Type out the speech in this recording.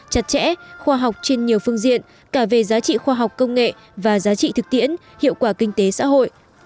chặt chẽ khoa học trên nhiều phương diện cả về giá trị khoa học công nghệ và giá trị thực tiễn hiệu quả kinh tế xã hội